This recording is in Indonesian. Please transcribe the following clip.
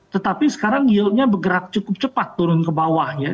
tetapi sekarang yieldnya bergerak cukup cepat turun ke bawah ya